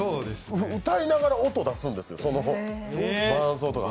歌いながら音出すんですよ、伴奏とか。